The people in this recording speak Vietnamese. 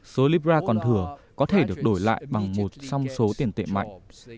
số libra còn thừa có thể được đổi lại bằng một song số tiền tệ mạnh